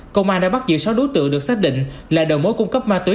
công an đã bắt giữ sáu đối tượng được xác định là đầu mối cung cấp ma túy